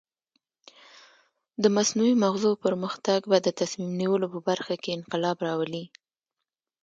د مصنوعي مغزو پرمختګ به د تصمیم نیولو په برخه کې انقلاب راولي.